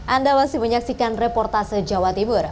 anda masih menyaksikan reportase jawa timur